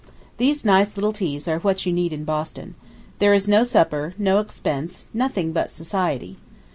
These nice little teas are what you need in Boston. There is no supper, no expense, nothing but society.